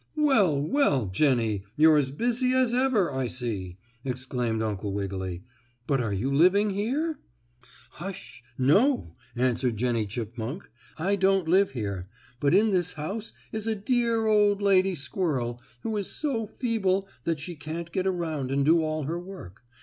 "Well, well, Jennie, you're as busy as ever, I see!" exclaimed Uncle Wiggily. "But are you living here?" "Hush! No," answered Jennie Chipmunk. "I don't live here, but in this house is a dear old lady squirrel, who is so feeble that she can't get around and do all her work.